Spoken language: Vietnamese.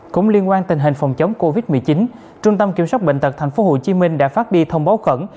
cũng liên quan tình hình phòng chống covid một mươi chín trung tâm kiểm soát bệnh tật tp hcm đã phát đi thông báo khẩn